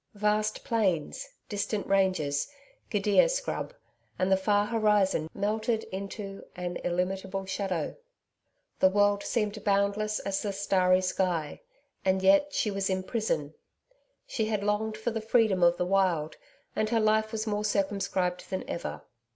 Vast plains, distant ranges, gidia scrub and the far horizon melted into an illimitable shadow. The world seemed boundless as the starry sky and yet she was in prison! She had longed for the freedom of the wild, and her life was more circumscribed than ever.